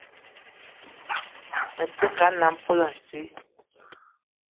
Me te ke a nnam poulassi